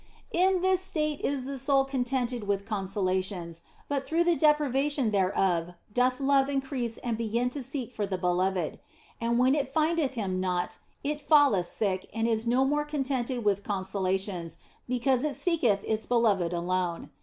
In this state is the soul contented with consolations, but through the deprivation thereof doth love increase and begin to seek for the beloved. And when it findeth him not it falleth sick and is no more contented with consolations, because it seeketh its beloved alone.